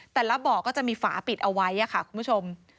แต่ละบ่อก็จะมีฝาปิดเอาไว้ค่ะคุณผู้ชม